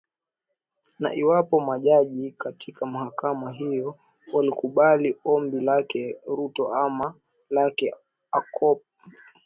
na iwapo majaji katika mahakama hiyo watalikubali ombi lake ruto ama lake ocampo